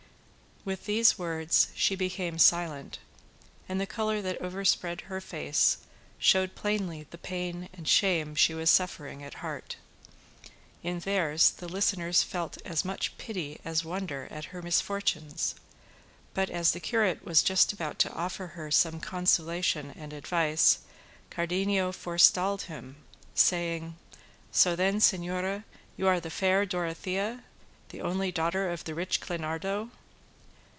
With these words she became silent, and the colour that overspread her face showed plainly the pain and shame she was suffering at heart. In theirs the listeners felt as much pity as wonder at her misfortunes; but as the curate was just about to offer her some consolation and advice Cardenio forestalled him, saying, "So then, señora, you are the fair Dorothea, the only daughter of the rich Clenardo?"